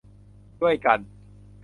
ด้วยกัน